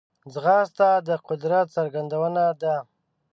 ځغاسته د قدرت څرګندونه ده